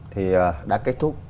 thì đã kết thúc